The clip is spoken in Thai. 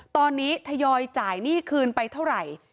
ตอนนี้ทยอยจ่ายหนี้คืนไปเท่าไหร่